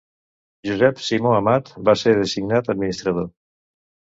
Josep Simó Amat va ser designat administrador.